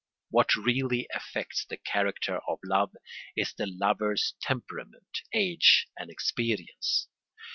What really affects the character of love is the lover's temperament, age, and experience.